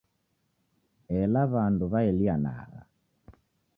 Ela w'andu waelianagha